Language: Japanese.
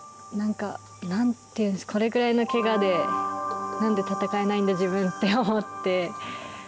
何というか、これぐらいのけがで、なんで戦えないんだ、自分って思って。